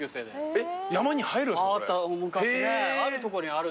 えっ？